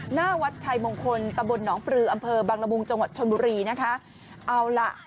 หน้าวัดไทยมงคลตำรวจหนองปรืออำเภอบังละมุงจชนบุรีนะคะ